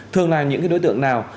thường là những đối tượng nào